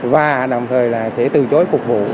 và đồng thời là sẽ từ chối